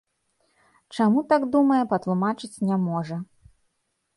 Чаму так думае, патлумачыць не можа.